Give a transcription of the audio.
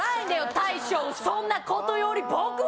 大将そんなことより僕は！